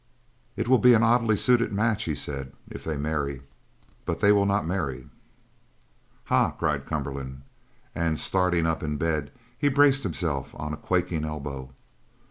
"It will be an oddly suited match," he said, "if they marry. But they will not marry." "Ha!" cried Cumberland, and starting up in bed he braced himself on a quaking elbow.